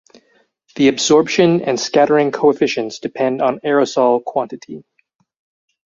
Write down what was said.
The absorption and scattering coefficients depend on aerosol quantity.